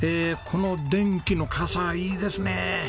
この電気の笠いいですね。